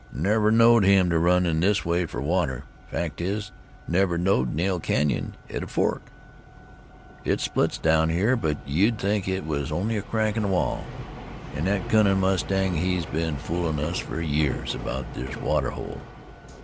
"Never knowed him to run in this way fer water; fact is, never knowed Nail Canyon had a fork. It splits down here, but you'd think it was only a crack in the wall. An' thet cunnin' mustang hes been foolin' us fer years about this water hole."